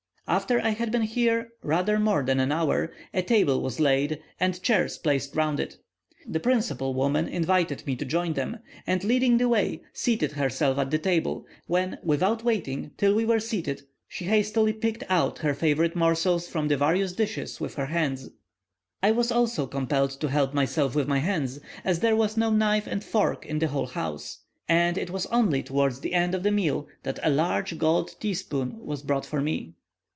After I had been here rather more than an hour, a table was laid, and chairs placed round it. The principal woman invited me to join them, and leading the way, seated herself at the table, when, without waiting till we were seated, she hastily picked out her favourite morsels from the various dishes with her hands. I was also compelled to help myself with my hands, as there was no knife and fork in the whole house, and it was only towards the end of the meal that a large gold teaspoon was brought for me.